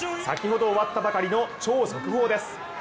先ほど終わったばかりの超速報です。